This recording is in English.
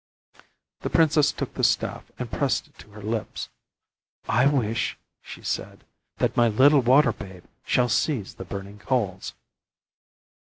The princess took the staff and pressed it to her lips. "I wish," she said, "that my little water babe shall seize the burning coals."